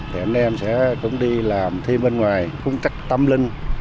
thì anh em sẽ cũng đi làm thêm bên ngoài cũng tắt tâm linh